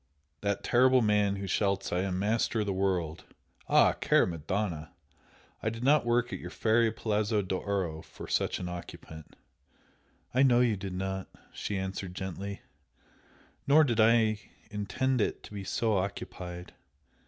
That terrible man who shouts 'I am master of the world'! ah, cara Madonna! I did not work at your fairy Palazzo d'Oro for such an occupant!" "I know you did not;" =she answered, gently "Nor did I intend it to be so occupied.